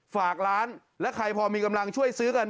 ฝากร้านและใครพอมีกำลังช่วยซื้อกัน